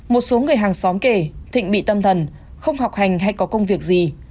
một số người hàng xóm kể thịnh bị tâm thần không học hành hay có công việc gì